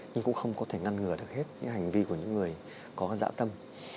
nhưng cũng không có thể ngăn ngừa được hết những hành vi của những người có dạ tâm